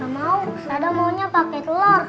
gak mau sadam maunya pake telur